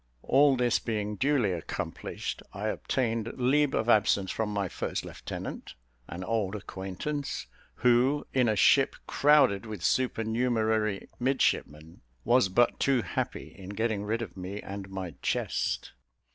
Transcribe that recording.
All this being duly accomplished, I obtained leave of absence from my first lieutenant, an old acquaintance, who, in a ship crowded with supernumerary midshipmen, was but too happy in getting rid of me and my chest.